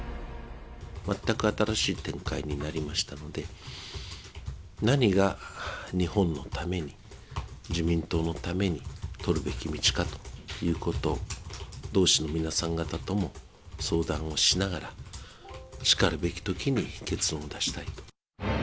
全く新しい展開になりましたので、何が日本のために自民党のために取るべき道かということを、同志の皆さん方とも相談をしながら、しかるべきときに結論を出したいと。